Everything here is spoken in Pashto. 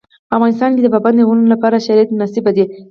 په افغانستان کې د پابندي غرونو لپاره شرایط مناسب دي.